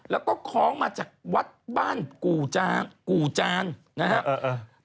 แล้วก็คล้องมาจากวัดบ้านกู่กู่จานนะครับ